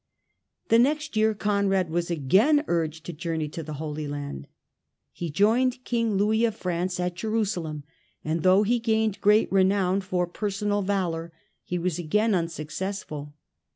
The next year Conrad was again urged to journey to the Holy Land. He joined King Louis of France at Jerusalem, and though he gained great renown for personal valour, he was again unsuccessful.